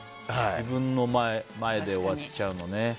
自分の前で終わっちゃうのはね。